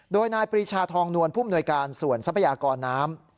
โดยนายปรีชาทองนวลผู้มนวยการส่วนทรัพยากรน้ำ